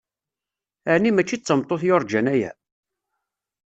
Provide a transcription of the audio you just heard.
Aɛni mačči d tameṭṭut yurǧan aya?